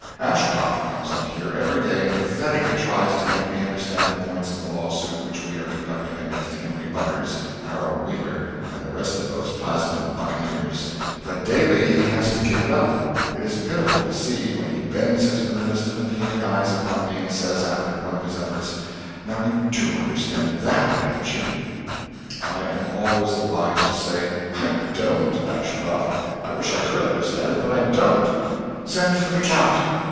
Ashcroft comes up here every day and pathetically tries to make me understand the points of the lawsuit which we are conducting against Henry Butters, Harold Wheeler, and the rest of those Plasmon buccaneers, but daily he has to give it up. It is pitiful to see, when he bends his earnest and appealing eyes upon me and says, after one of his efforts, "Now you do understand that, don't you?" I am always obliged to say, "I don't, Ashcroft. I wish I could understand it, but I don't. Send for the cat."